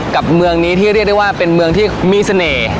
กับเมืองนี้ที่เป็นเมืองที่มีเสน่ห์